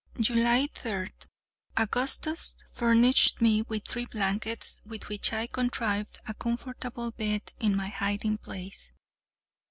July 3. Augustus furnished me with three blankets, with which I contrived a comfortable bed in my hiding place.